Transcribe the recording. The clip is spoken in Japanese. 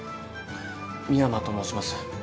深山と申します。